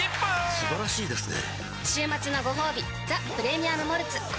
素晴らしいですね